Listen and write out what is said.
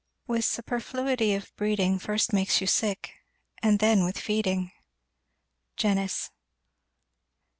With superfluity of breeding First makes you sick, and then with feeding. Jenyns.